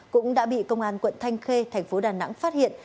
cũng đã bị công an quận thanh khê thành phố đà nẵng phát hiện